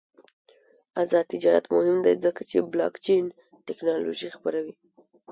آزاد تجارت مهم دی ځکه چې بلاکچین تکنالوژي خپروي.